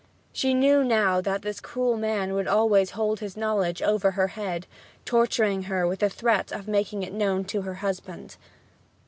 She knew now that this cruel man would always hold his knowledge over her head, torturing her with the threat of making it known to her husband.